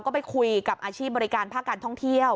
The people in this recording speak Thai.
ก็ไปคุยกับอาชีพบริการภาคการท่องเที่ยว